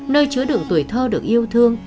nơi chứa đường tuổi thơ được yêu thương